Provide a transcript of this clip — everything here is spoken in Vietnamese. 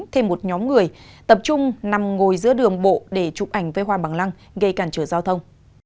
thêm một nhóm người tập trung nằm ngồi giữa đường bộ để chụp ảnh với hoa bằng lăng gây càn trở giao thông